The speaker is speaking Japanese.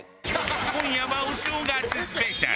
今夜はお正月スペシャル